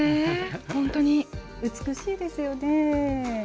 本当に美しいです。